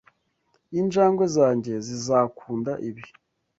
Injangwe zanjye zizakunda ibi.